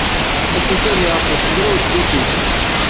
Asakal iɛeḍḍel s mraw n tmikin.